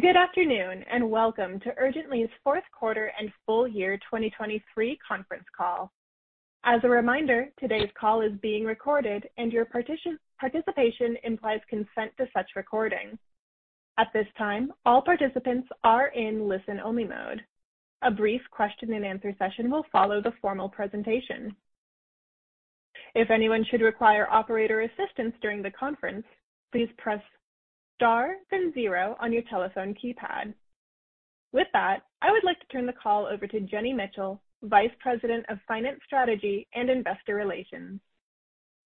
Good afternoon, and welcome to Urgently's Fourth Quarter and Full Year 2023 Conference Call. As a reminder, today's call is being recorded, and your participation implies consent to such recording. At this time, all participants are in listen-only mode. A brief question-and-answer session will follow the formal presentation. If anyone should require operator assistance during the conference, please press Star then zero on your telephone keypad. With that, I would like to turn the call over to Jenny Mitchell, Vice President of Finance Strategy and Investor Relations.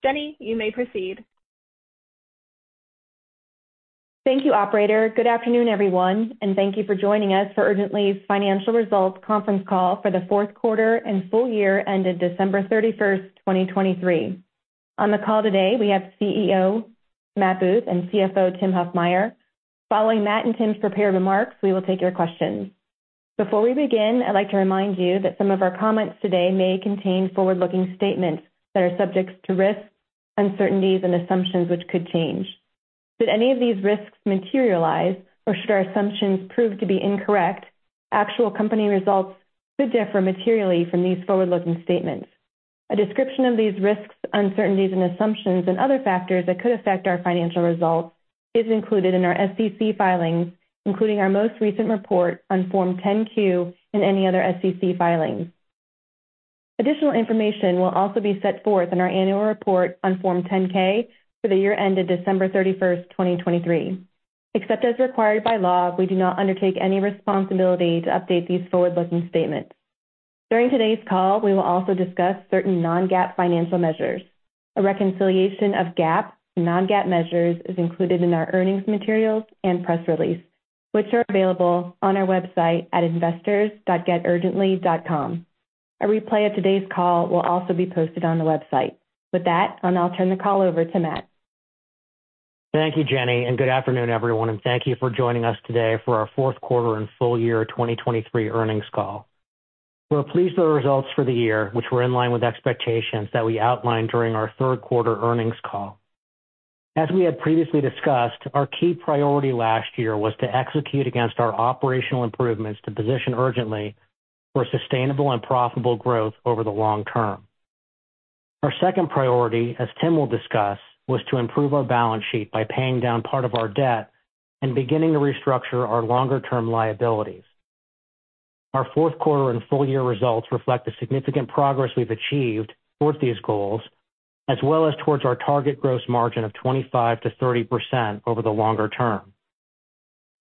Jenny, you may proceed. Thank you, operator. Good afternoon, everyone, and thank you for joining us for Urgently's Financial Results conference call for the fourth quarter and full year ended December 31, 2023. On the call today, we have CEO Matt Booth and CFO Tim Huffmyer. Following Matt and Tim's prepared remarks, we will take your questions. Before we begin, I'd like to remind you that some of our comments today may contain forward-looking statements that are subject to risks, uncertainties and assumptions which could change. Should any of these risks materialize or should our assumptions prove to be incorrect, actual company results could differ materially from these forward-looking statements. A description of these risks, uncertainties, and assumptions and other factors that could affect our financial results is included in our SEC filings, including our most recent report on Form 10-Q and any other SEC filings. Additional information will also be set forth in our annual report on Form 10-K for the year ended December 31, 2023. Except as required by law, we do not undertake any responsibility to update these forward-looking statements. During today's call, we will also discuss certain non-GAAP financial measures. A reconciliation of GAAP to non-GAAP measures is included in our earnings materials and press release, which are available on our website at investors.urgently.com. A replay of today's call will also be posted on the website. With that, I'll now turn the call over to Matt. Thank you, Jenny, and good afternoon, everyone, and thank you for joining us today for our fourth quarter and full year 2023 earnings call. We're pleased with the results for the year, which were in line with expectations that we outlined during our third quarter earnings call. As we had previously discussed, our key priority last year was to execute against our operational improvements to position Urgently for sustainable and profitable growth over the long term. Our second priority, as Tim will discuss, was to improve our balance sheet by paying down part of our debt and beginning to restructure our longer-term liabilities. Our fourth quarter and full year results reflect the significant progress we've achieved towards these goals, as well as towards our target gross margin of 25%-30% over the longer term.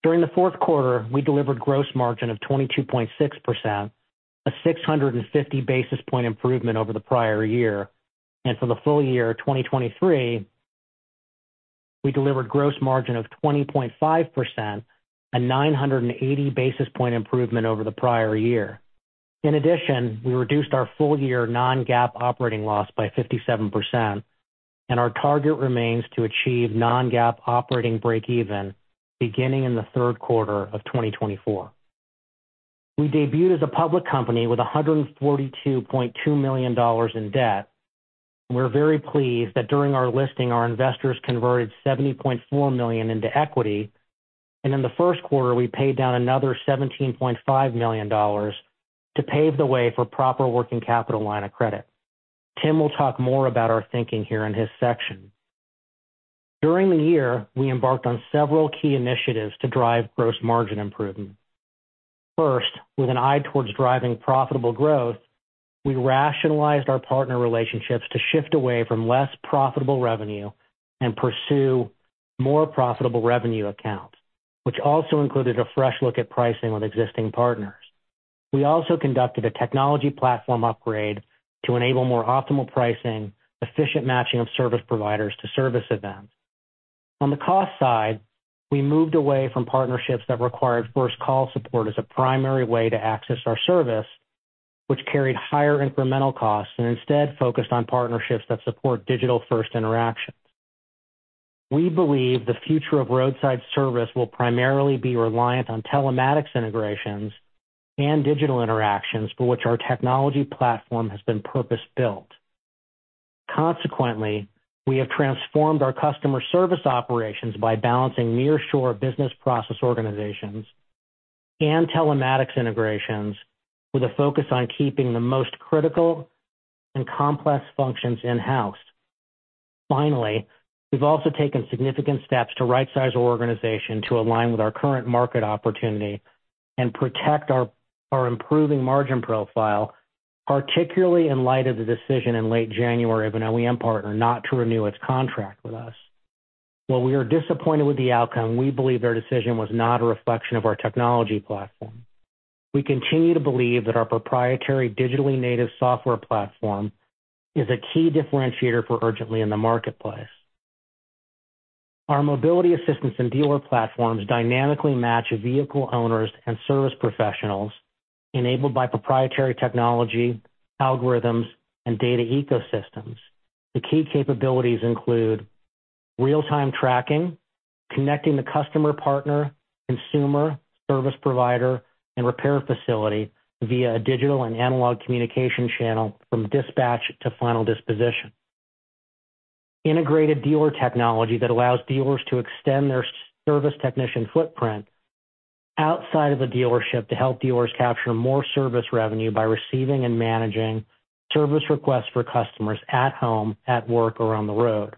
During the fourth quarter, we delivered gross margin of 22.6%, a 650 basis point improvement over the prior year, and for the full year 2023, we delivered gross margin of 20.5%, a 980 basis point improvement over the prior year. In addition, we reduced our full-year non-GAAP operating loss by 57%, and our target remains to achieve non-GAAP operating breakeven beginning in the third quarter of 2024. We debuted as a public company with $142.2 million in debt. We're very pleased that during our listing, our investors converted $70.4 million into equity, and in the first quarter, we paid down another $17.5 million to pave the way for proper working capital line of credit. Tim will talk more about our thinking here in his section. During the year, we embarked on several key initiatives to drive gross margin improvement. First, with an eye towards driving profitable growth, we rationalized our partner relationships to shift away from less profitable revenue and pursue more profitable revenue accounts, which also included a fresh look at pricing with existing partners. We also conducted a technology platform upgrade to enable more optimal pricing, efficient matching of service providers to service events. On the cost side, we moved away from partnerships that required first call support as a primary way to access our service, which carried higher incremental costs and instead focused on partnerships that support digital-first interactions. We believe the future of roadside service will primarily be reliant on telematics integrations and digital interactions, for which our technology platform has been purpose-built. Consequently, we have transformed our customer service operations by balancing nearshore business process organizations and telematics integrations with a focus on keeping the most critical and complex functions in-house. Finally, we've also taken significant steps to rightsize our organization to align with our current market opportunity and protect our improving margin profile, particularly in light of the decision in late January of an OEM partner not to renew its contract with us. While we are disappointed with the outcome, we believe their decision was not a reflection of our technology platform. We continue to believe that our proprietary digitally native software platform is a key differentiator for Urgently in the marketplace. Our mobility assistance and dealer platforms dynamically match vehicle owners and service professionals, enabled by proprietary technology, algorithms, and data ecosystems. The key capabilities include real-time tracking, connecting the customer partner, consumer, service provider, and repair facility via a digital and analog communication channel from dispatch to final disposition. Integrated dealer technology that allows dealers to extend their service technician footprint outside of a dealership to help dealers capture more service revenue by receiving and managing service requests for customers at home, at work, or on the road.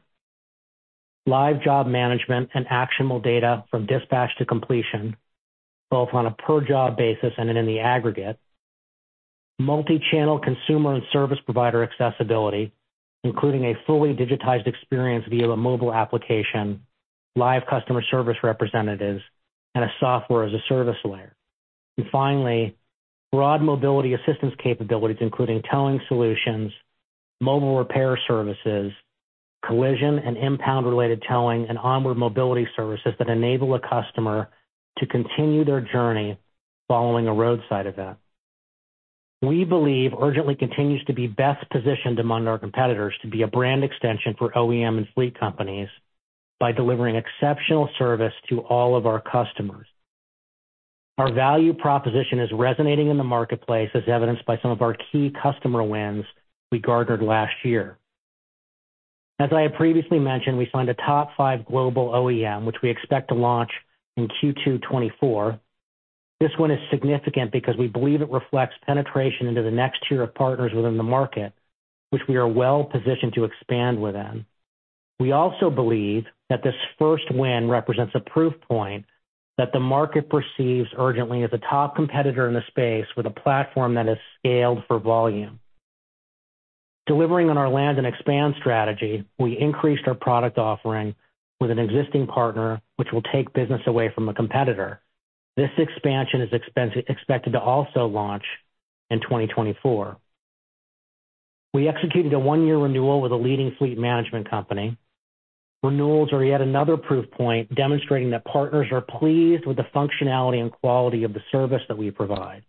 Live job management and actionable data from dispatch to completion, both on a per-job basis and in the aggregate. Multi-channel consumer and service provider accessibility, including a fully digitized experience via a mobile application, live customer service representatives, and a software-as-a-service layer. And finally, broad mobility assistance capabilities, including towing solutions, mobile repair services, collision and impound-related towing, and onward mobility services that enable a customer to continue their journey following a roadside event. We believe Urgently continues to be best positioned among our competitors to be a brand extension for OEM and fleet companies by delivering exceptional service to all of our customers. Our value proposition is resonating in the marketplace, as evidenced by some of our key customer wins we garnered last year. As I have previously mentioned, we signed a top five global OEM, which we expect to launch in Q2 2024. This one is significant because we believe it reflects penetration into the next tier of partners within the market, which we are well positioned to expand within. We also believe that this first win represents a proof point that the market perceives Urgently as a top competitor in the space with a platform that is scaled for volume. Delivering on our land and expand strategy, we increased our product offering with an existing partner, which will take business away from a competitor. This expansion is expected to also launch in 2024. We executed a one-year renewal with a leading fleet management company. Renewals are yet another proof point, demonstrating that partners are pleased with the functionality and quality of the service that we provide.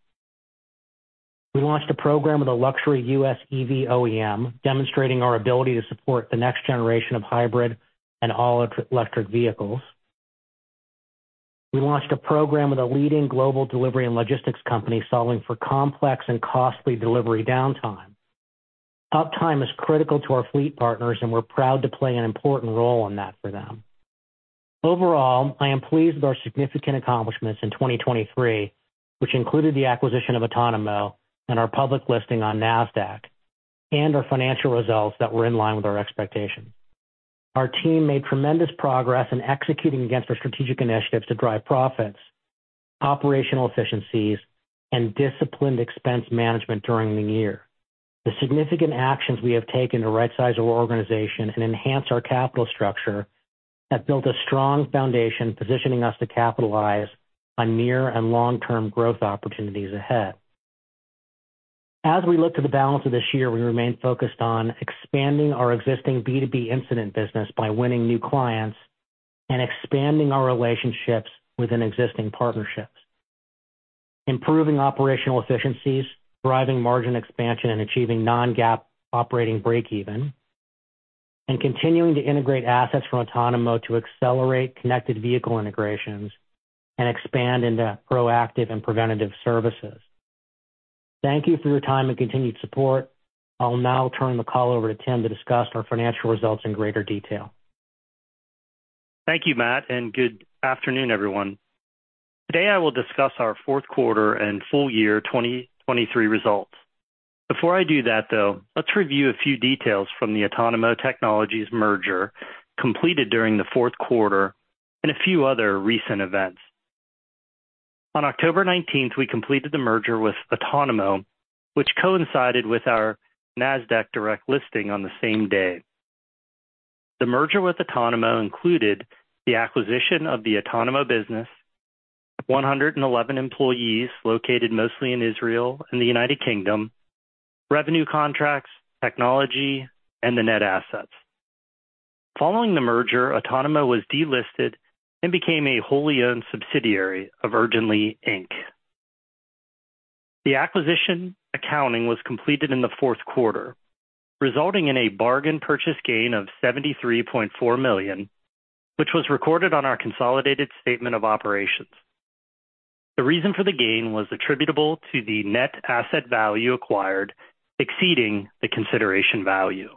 We launched a program with a luxury US EV OEM, demonstrating our ability to support the next generation of hybrid and all-electric vehicles. We launched a program with a leading global delivery and logistics company, solving for complex and costly delivery downtime. Uptime is critical to our fleet partners, and we're proud to play an important role in that for them. Overall, I am pleased with our significant accomplishments in 2023, which included the acquisition of Otonomo and our public listing on Nasdaq, and our financial results that were in line with our expectations. Our team made tremendous progress in executing against our strategic initiatives to drive profits, operational efficiencies, and disciplined expense management during the year. The significant actions we have taken to rightsize our organization and enhance our capital structure, have built a strong foundation, positioning us to capitalize on near and long-term growth opportunities ahead. As we look to the balance of this year, we remain focused on expanding our existing B2B incident business by winning new clients and expanding our relationships within existing partnerships. Improving operational efficiencies, driving margin expansion, and achieving non-GAAP operating breakeven, and continuing to integrate assets from Otonomo to accelerate connected vehicle integrations and expand into proactive and preventative services. Thank you for your time and continued support. I'll now turn the call over to Tim to discuss our financial results in greater detail. Thank you, Matt, and good afternoon, everyone. Today, I will discuss our fourth quarter and full year 2023 results. Before I do that, though, let's review a few details from the Otonomo Technologies merger, completed during the fourth quarter and a few other recent events. On October 19, we completed the merger with Otonomo, which coincided with our NASDAQ direct listing on the same day. The merger with Otonomo included the acquisition of the Otonomo business, 111 employees, located mostly in Israel and the United Kingdom, revenue contracts, technology, and the net assets. Following the merger, Otonomo was delisted and became a wholly owned subsidiary of Urgently, Inc. The acquisition accounting was completed in the fourth quarter, resulting in a bargain purchase gain of $73.4 million, which was recorded on our consolidated statement of operations. The reason for the gain was attributable to the net asset value acquired, exceeding the consideration value.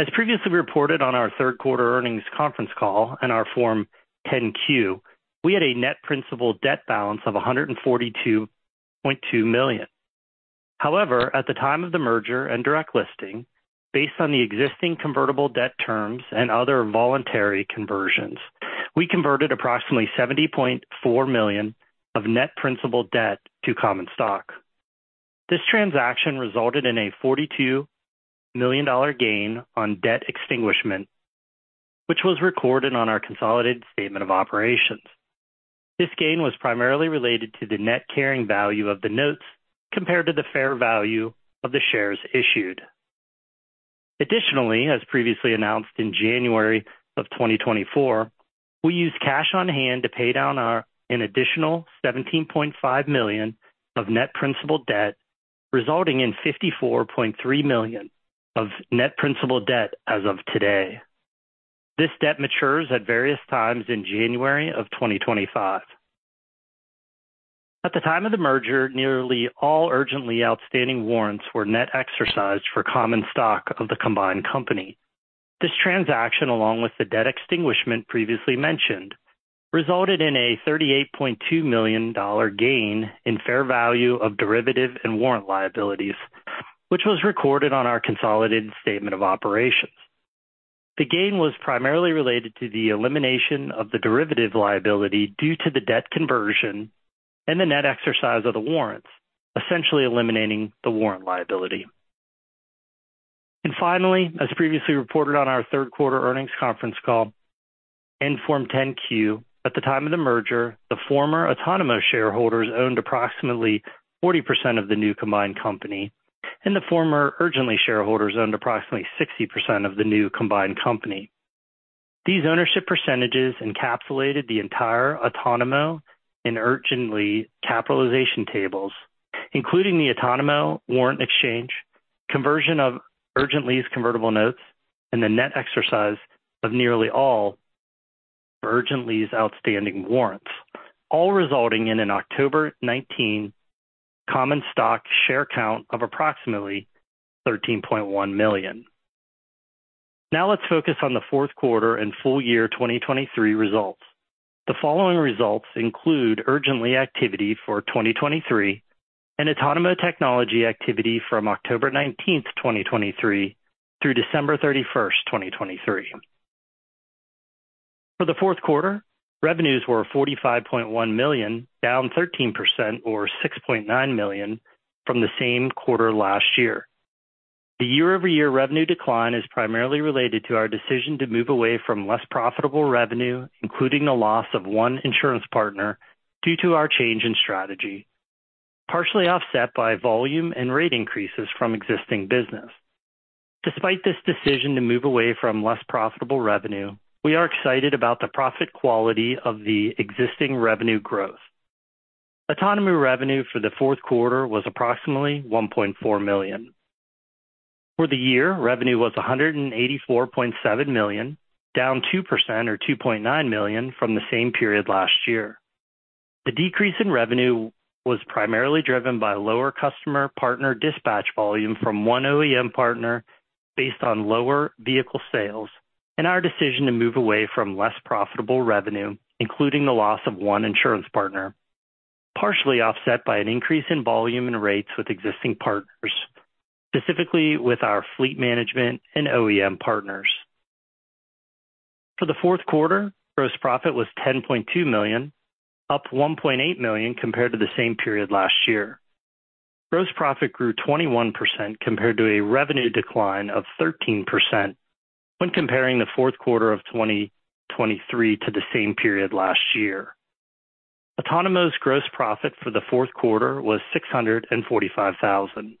As previously reported on our third quarter earnings conference call and our Form 10-Q, we had a net principal debt balance of $142.2 million. However, at the time of the merger and direct listing, based on the existing convertible debt terms and other voluntary conversions, we converted approximately $70.4 million of net principal debt to common stock. This transaction resulted in a $42 million gain on debt extinguishment, which was recorded on our consolidated statement of operations. This gain was primarily related to the net carrying value of the notes compared to the fair value of the shares issued. Additionally, as previously announced in January 2024, we used cash on hand to pay down our an additional $17.5 million of net principal debt, resulting in $54.3 million of net principal debt as of today. This debt matures at various times in January 2025. At the time of the merger, nearly all Urgently outstanding warrants were net exercised for common stock of the combined company. This transaction, along with the debt extinguishment previously mentioned, resulted in a $38.2 million gain in fair value of derivative and warrant liabilities, which was recorded on our consolidated statement of operations. The gain was primarily related to the elimination of the derivative liability due to the debt conversion and the net exercise of the warrants, essentially eliminating the warrant liability. Finally, as previously reported on our Third Quarter Earnings Conference Call, in Form 10-Q, at the time of the merger, the former Otonomo shareholders owned approximately 40% of the new combined company, and the former Urgently shareholders owned approximately 60% of the new combined company. These ownership percentages encapsulated the entire Otonomo and Urgently capitalization tables, including the Otonomo warrant exchange, conversion of Urgently's convertible notes, and the net exercise of nearly all Urgently's outstanding warrants, all resulting in an October 19 common stock share count of approximately 13.1 million. Now let's focus on the fourth quarter and full year 2023 results. The following results include Urgently activity for 2023 and Otonomo technology activity from October 19, 2023, through December 31, 2023. For the fourth quarter, revenues were $45.1 million, down 13% or $6.9 million from the same quarter last year. The year-over-year revenue decline is primarily related to our decision to move away from less profitable revenue, including the loss of one insurance partner, due to our change in strategy, partially offset by volume and rate increases from existing business. Despite this decision to move away from less profitable revenue, we are excited about the profit quality of the existing revenue growth. Otonomo revenue for the fourth quarter was approximately $1.4 million. For the year, revenue was $184.7 million, down 2% or $2.9 million from the same period last year. The decrease in revenue was primarily driven by lower customer partner dispatch volume from one OEM partner based on lower vehicle sales and our decision to move away from less profitable revenue, including the loss of one insurance partner, partially offset by an increase in volume and rates with existing partners, specifically with our fleet management and OEM partners. For the fourth quarter, gross profit was $10.2 million, up $1.8 million compared to the same period last year. Gross profit grew 21% compared to a revenue decline of 13% when comparing the fourth quarter of 2023 to the same period last year. Otonomo's gross profit for the fourth quarter was $645,000.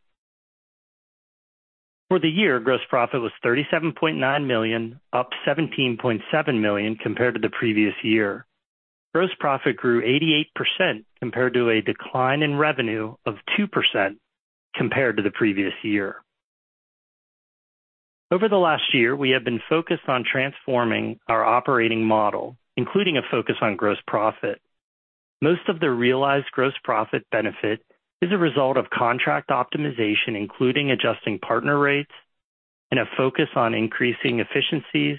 For the year, gross profit was $37.9 million, up $17.7 million compared to the previous year. Gross profit grew 88% compared to a decline in revenue of 2% compared to the previous year. Over the last year, we have been focused on transforming our operating model, including a focus on gross profit. Most of the realized gross profit benefit is a result of contract optimization, including adjusting partner rates and a focus on increasing efficiencies,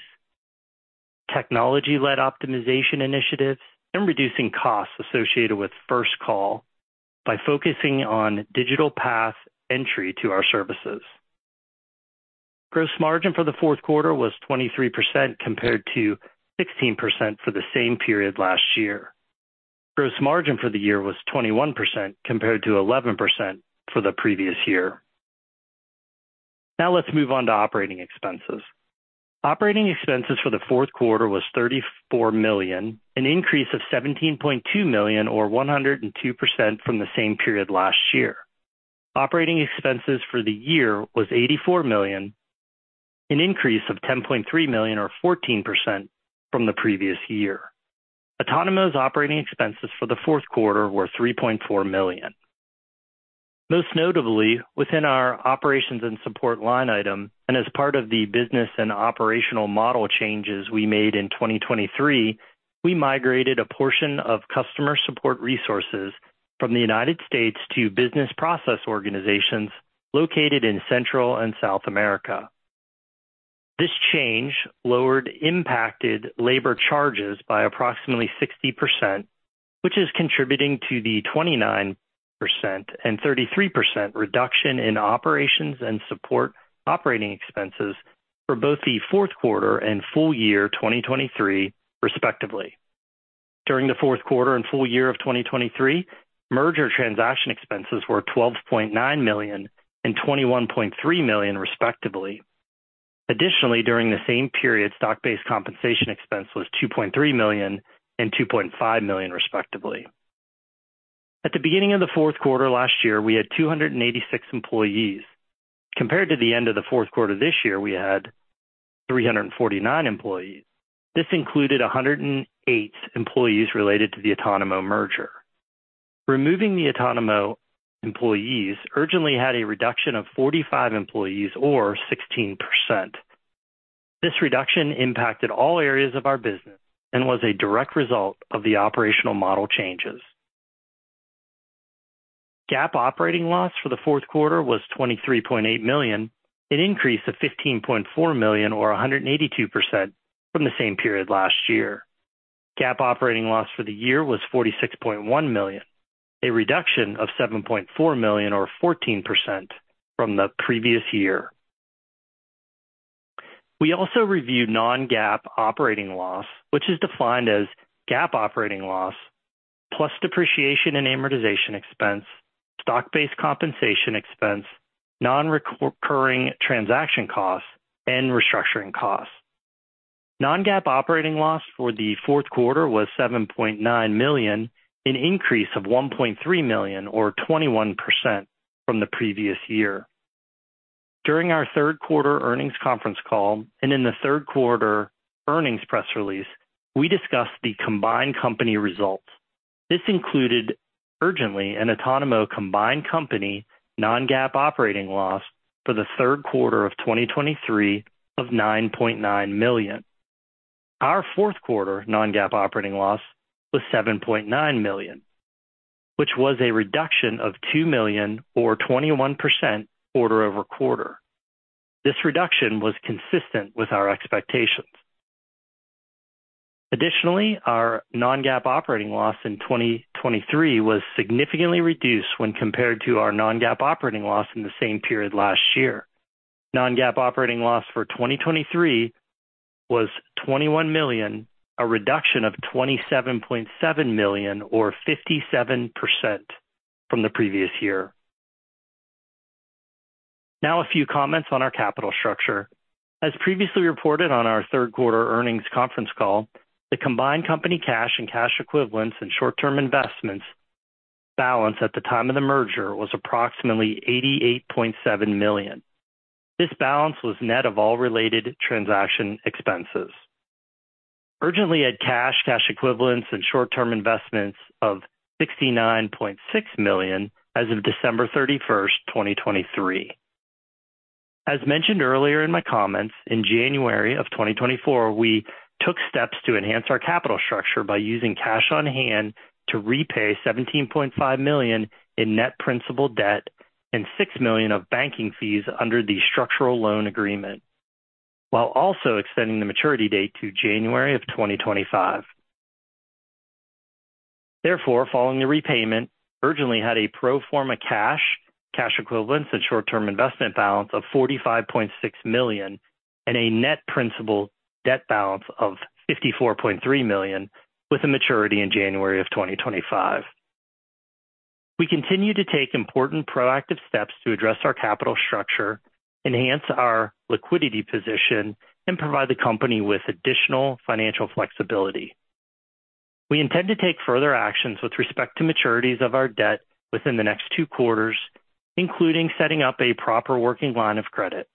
technology-led optimization initiatives, and reducing costs associated with first call by focusing on digital path entry to our services. Gross margin for the fourth quarter was 23%, compared to 16% for the same period last year. Gross margin for the year was 21%, compared to 11% for the previous year. Now let's move on to operating expenses. Operating expenses for the fourth quarter was $34 million, an increase of $17.2 million, or 102% from the same period last year. Operating expenses for the year was $84 million, an increase of $10.3 million, or 14% from the previous year. Otonomo's operating expenses for the fourth quarter were $3.4 million. Most notably, within our operations and support line item, and as part of the business and operational model changes we made in 2023, we migrated a portion of customer support resources from the United States to business process organizations located in Central and South America. This change lowered impacted labor charges by approximately 60%, which is contributing to the 29% and 33% reduction in operations and support operating expenses for both the fourth quarter and full year 2023, respectively. During the fourth quarter and full year of 2023, merger transaction expenses were $12.9 million and $21.3 million, respectively. Additionally, during the same period, stock-based compensation expense was $2.3 million and $2.5 million, respectively. At the beginning of the fourth quarter last year, we had 286 employees. Compared to the end of the fourth quarter this year, we had 349 employees. This included 108 employees related to the Otonomo merger. Removing the Otonomo employees, Urgently had a reduction of 45 employees, or 16%. This reduction impacted all areas of our business and was a direct result of the operational model changes. GAAP operating loss for the fourth quarter was $23.8 million, an increase of $15.4 million, or 182%, from the same period last year. GAAP operating loss for the year was $46.1 million, a reduction of $7.4 million, or 14%, from the previous year. We also reviewed non-GAAP operating loss, which is defined as GAAP operating loss, plus depreciation and amortization expense, stock-based compensation expense, nonrecurring transaction costs, and restructuring costs. Non-GAAP operating loss for the fourth quarter was $7.9 million, an increase of $1.3 million, or 21%, from the previous year. During our third quarter earnings conference call and in the third quarter earnings press release, we discussed the combined company results. This included Urgently and Otonomo combined company non-GAAP operating loss for the third quarter of 2023 of $9.9 million. Our fourth quarter non-GAAP operating loss was $7.9 million, which was a reduction of $2 million, or 21%, quarter-over-quarter. This reduction was consistent with our expectations. Additionally, our non-GAAP operating loss in 2023 was significantly reduced when compared to our non-GAAP operating loss in the same period last year. Non-GAAP operating loss for 2023 was $21 million, a reduction of $27.7 million, or 57%, from the previous year. Now, a few comments on our capital structure. As previously reported on our third quarter earnings conference call, the combined company cash and cash equivalents and short-term investments balance at the time of the merger was approximately $88.7 million. This balance was net of all related transaction expenses. Urgently had cash, cash equivalents, and short-term investments of $69.6 million as of December 31, 2023. As mentioned earlier in my comments, in January 2024, we took steps to enhance our capital structure by using cash on hand to repay $17.5 million in net principal debt and $6 million of banking fees under the Structural loan agreement, while also extending the maturity date to January 2025. Therefore, following the repayment, Urgently had a pro forma cash, cash equivalents, and short-term investment balance of $45.6 million and a net principal debt balance of $54.3 million, with a maturity in January 2025. We continue to take important proactive steps to address our capital structure, enhance our liquidity position, and provide the company with additional financial flexibility. We intend to take further actions with respect to maturities of our debt within the next two quarters, including setting up a proper working line of credit.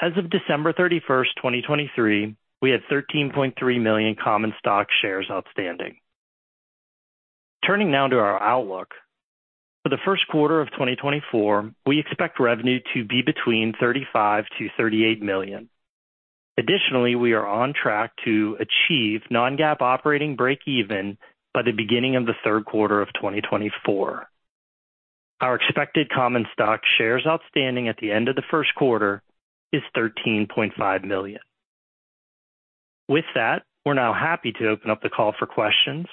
As of December 31, 2023, we had 13.3 million common stock shares outstanding. Turning now to our outlook. For the first quarter of 2024, we expect revenue to be between $35 million-$38 million. Additionally, we are on track to achieve non-GAAP operating break even by the beginning of the third quarter of 2024. Our expected common stock shares outstanding at the end of the first quarter is 13.5 million. With that, we're now happy to open up the call for questions.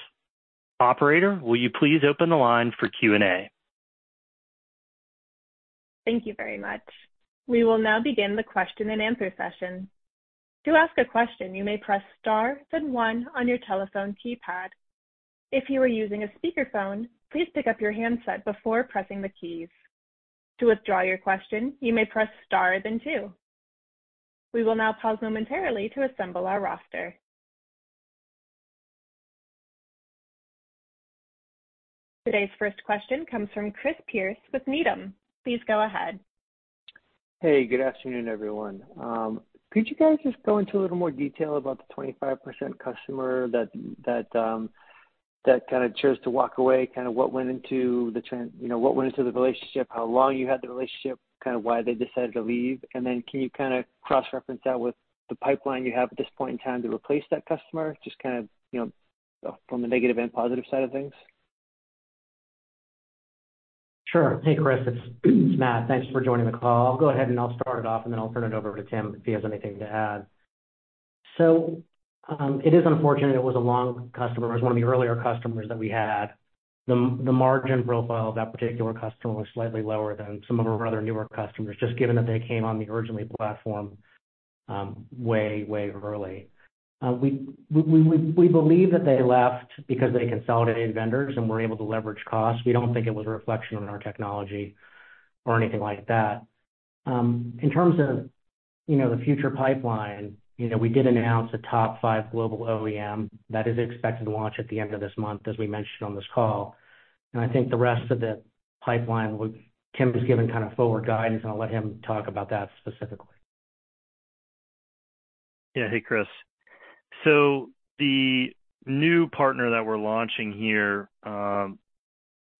Operator, will you please open the line for Q&A? Thank you very much. We will now begin the question-and-answer session. To ask a question, you may press Star, then one on your telephone keypad. If you are using a speakerphone, please pick up your handset before pressing the keys. To withdraw your question, you may press Star, then two. We will now pause momentarily to assemble our roster. Today's first question comes from Chris Pierce with Needham. Please go ahead. Hey, good afternoon, everyone. Could you guys just go into a little more detail about the 25% customer that kind of chose to walk away? Kind of what went into the relationship, how long you had the relationship, kind of why they decided to leave, and then can you kind of cross-reference that with the pipeline you have at this point in time to replace that customer? Just kind of, you know, from a negative and positive side of things. Sure. Hey, Chris, it's Matt. Thanks for joining the call. I'll go ahead and I'll start it off, and then I'll turn it over to Tim if he has anything to add. It is unfortunate. It was a long customer. It was one of the earlier customers that we had. The margin profile of that particular customer was slightly lower than some of our other newer customers, just given that they came on the Urgently platform, way, way early. We believe that they left because they consolidated vendors and were able to leverage costs. We don't think it was a reflection on our technology or anything like that. In terms of, you know, the future pipeline, you know, we did announce a top five global OEM that is expected to launch at the end of this month, as we mentioned on this call. And I think the rest of the pipeline, Tim has given kind of forward guidance, and I'll let him talk about that specifically. Yeah. Hey, Chris. So the new partner that we're launching here,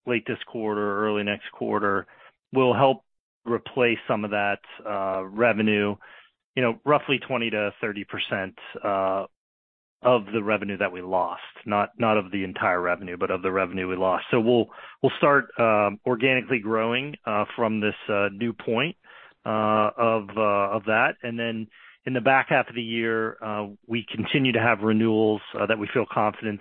late this quarter, early next quarter, will help replace some of that, revenue, you know, roughly 20%-30%, of the revenue that we lost, not, not of the entire revenue, but of the revenue we lost. So we'll, we'll start, organically growing, from this, new point, of, of that. Then in the back half of the year, we continue to have renewals that we feel confident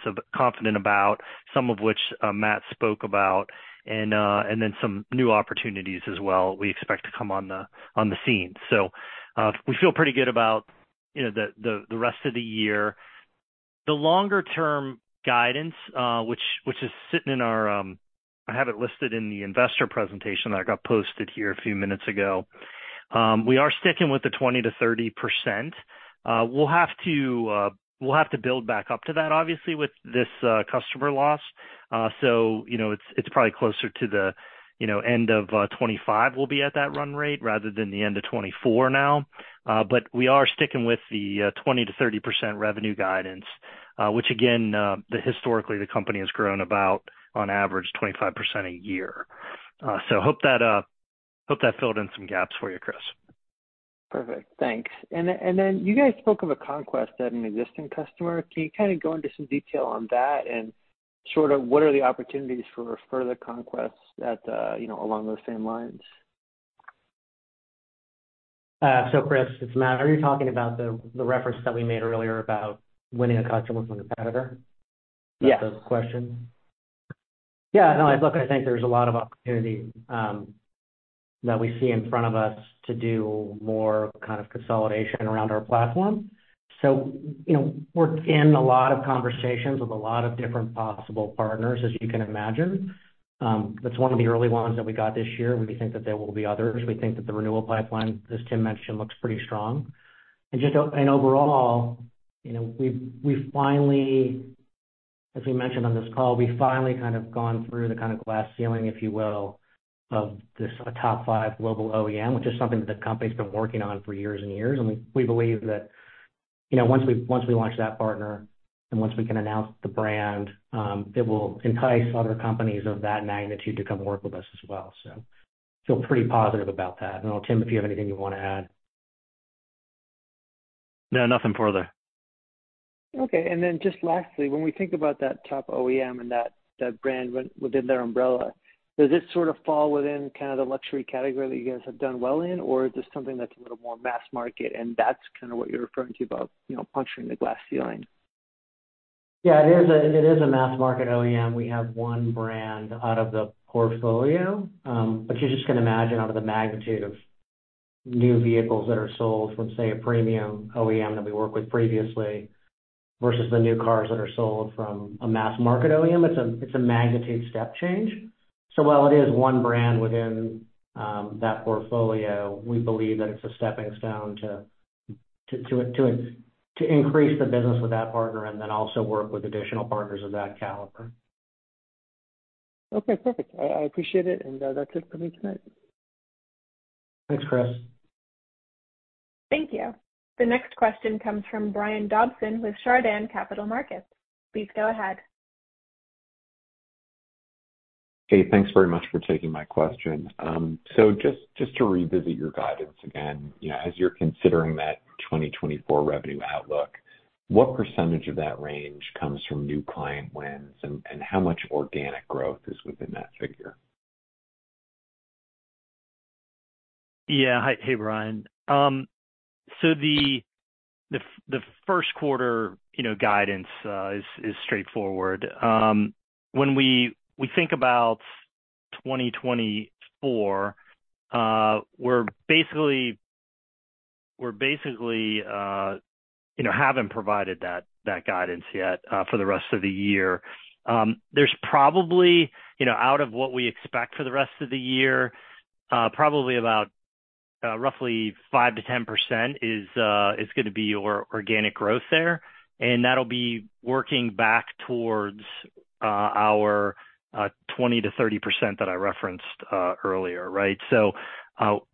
about, some of which Matt spoke about, and then some new opportunities as well, we expect to come on the scene. So, we feel pretty good about, you know, the rest of the year. The longer term guidance, which I have listed in the investor presentation that got posted here a few minutes ago. We are sticking with the 20%-30%. We'll have to build back up to that, obviously, with this customer loss. So, you know, it's probably closer to the, you know, end of 2025, we'll be at that run rate rather than the end of 2024 now. But we are sticking with the 20%-30% revenue guidance, which again, the historically the company has grown about on average, 25% a year. So hope that, hope that filled in some gaps for you, Chris. Perfect. Thanks. And then you guys spoke of a conquest at an existing customer. Can you kind of go into some detail on that? And sort of what are the opportunities for the conquests that you know, along those same lines? So, Chris, it's Matt. Are you talking about the reference that we made earlier about winning a customer from a competitor? Yes. Is that the question? Yeah, no, look, I think there's a lot of opportunity that we see in front of us to do more kind of consolidation around our platform. So, you know, we're in a lot of conversations with a lot of different possible partners, as you can imagine. That's one of the early ones that we got this year. We think that there will be others. We think that the renewal pipeline, as Tim mentioned, looks pretty strong. And just overall, you know, we've, we've finally, as we mentioned on this call, we've finally kind of gone through the kind of glass ceiling, if you will, of this top five global OEM, which is something that the company's been working on for years and years. We believe that, you know, once we launch that partner and once we can announce the brand, it will entice other companies of that magnitude to come work with us as well. So feel pretty positive about that. And I'll turn to Tim, if you have anything you want to add? No, nothing further. Okay. And then just lastly, when we think about that top OEM and that, that brand within their umbrella, does this sort of fall within kind of the luxury category that you guys have done well in? Or is this something that's a little more mass market, and that's kind of what you're referring to about, you know, puncturing the glass ceiling? Yeah, it is a mass market OEM. We have one brand out of the portfolio, but you just can imagine out of the magnitude of new vehicles that are sold from, say, a premium OEM that we worked with previously, versus the new cars that are sold from a mass market OEM, it's a magnitude step change. So while it is one brand within that portfolio, we believe that it's a stepping stone to increase the business with that partner and then also work with additional partners of that caliber. Okay, perfect. I appreciate it, and that's it for me tonight. Thanks, Chris. Thank you. The next question comes from Brian Dobson with Chardan Capital Markets. Please go ahead. Hey, thanks very much for taking my question. So just to revisit your guidance again, you know, as you're considering that 2024 revenue outlook, what percentage of that range comes from new client wins, and how much organic growth is within that figure? Yeah. Hi. Hey, Brian. So the first quarter, you know, guidance is straightforward. When we think about 2024, we're basically, you know, haven't provided that guidance yet for the rest of the year. There's probably, you know, out of what we expect for the rest of the year, probably about roughly 5%-10% is gonna be our organic growth there, and that'll be working back towards our 20%-30% that I referenced earlier, right? So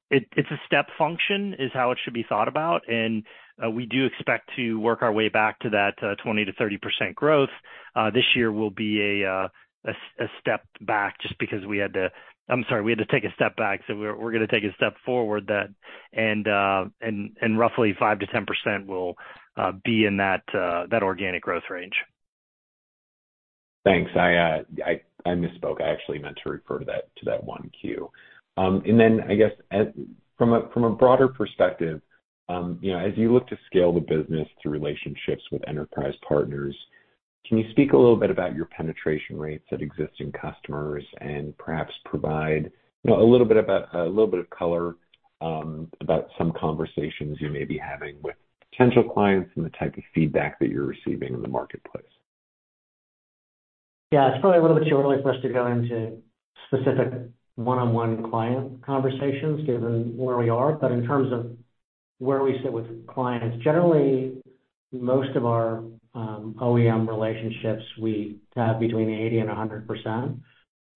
it's a step function, is how it should be thought about. We do expect to work our way back to that 20%-30% growth. This year will be a step back just because we had to... I'm sorry, we had to take a step back, so we're gonna take a step forward, and roughly 5%-10% will be in that organic growth range. Thanks. I misspoke. I actually meant to refer to that one Q. And then I guess from a broader perspective, you know, as you look to scale the business through relationships with enterprise partners, can you speak a little bit about your penetration rates at existing customers and perhaps provide, you know, a little bit about a little bit of color about some conversations you may be having with potential clients and the type of feedback that you're receiving in the marketplace? Yeah, it's probably a little bit too early for us to go into specific one-on-one client conversations given where we are. But in terms of where we sit with clients, generally, most of our OEM relationships, we have between 80% and 100%.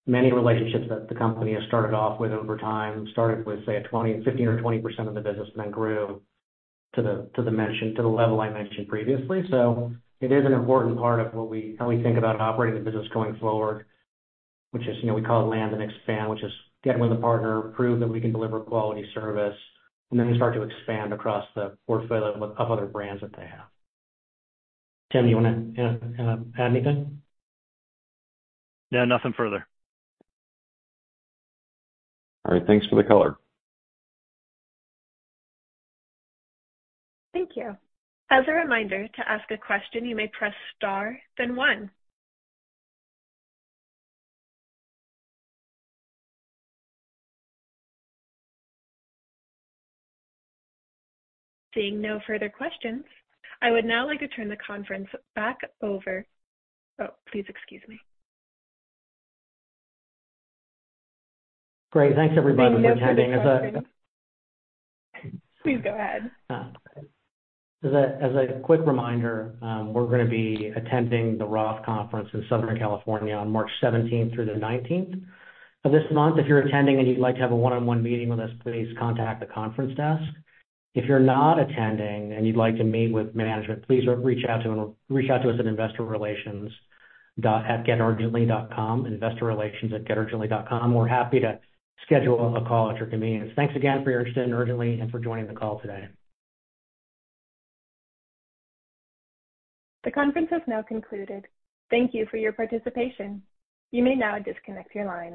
Many relationships that the company has started off with over time started with, say, a 20, 15 or 20% of the business, and then grew to the level I mentioned previously. So it is an important part of what we how we think about operating the business going forward, which is, you know, we call it land and expand, which is get with the partner, prove that we can deliver quality service, and then we start to expand across the portfolio of other brands that they have. Tim, you wanna add anything? No, nothing further. All right. Thanks for the color. Thank you. As a reminder, to ask a question, you may press Star, then one. Seeing no further questions, I would now like to turn the conference back over... Oh, please excuse me. Great. Thanks, everybody, for attending. Please go ahead. As a quick reminder, we're gonna be attending the Roth Conference in Southern California on March 17th through the 19th of this month. If you're attending and you'd like to have a one-on-one meeting with us, please contact the conference desk. If you're not attending and you'd like to meet with management, please reach out to us at investorrelations@geturgently.com. We're happy to schedule a call at your convenience. Thanks again for your interest in Urgently and for joining the call today. The conference has now concluded. Thank you for your participation. You may now disconnect your lines.